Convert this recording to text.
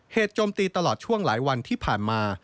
โจมตีตลอดช่วงหลายวันที่ผ่านมา